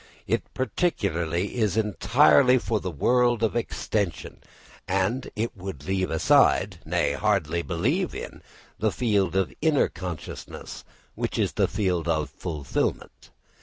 Its partiality is entirely for the world of extension, and it would leave aside nay, hardly believe in that field of inner consciousness which is the field of fulfilment.